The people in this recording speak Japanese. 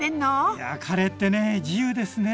いやカレーってね自由ですね！